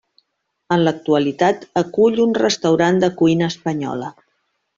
En l'actualitat acull un restaurant de cuina espanyola.